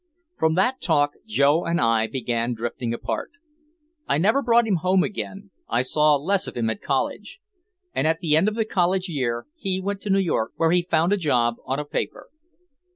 From that talk Joe and I began drifting apart. I never brought him home again, I saw less of him at college. And at the end of the college year he went to New York, where he found a job on a paper.